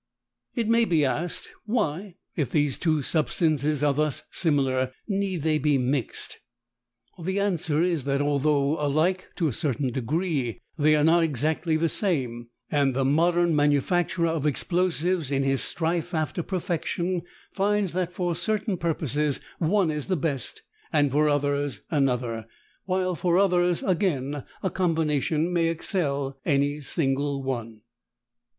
It may be asked, why, if these two substances are thus similar, need they be mixed? The answer is that although alike to a certain degree they are not exactly the same, and the modern manufacturer of explosives in his strife after perfection finds that for certain purposes one is the best, and for others another, while for others again a combination may excel any single one.